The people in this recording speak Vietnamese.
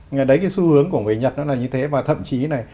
ngày đấy cái xu hướng của người nhật nó là như thế và thậm chí là